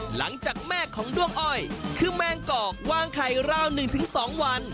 หลังจากแม่ของด้วงอ้อยคือแมงกอกวางไข่ราว๑๒วัน